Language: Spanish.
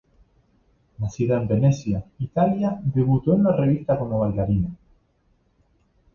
Nacida en Venecia, Italia, debutó en la revista como bailarina.